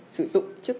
sử dụng chiếc cầu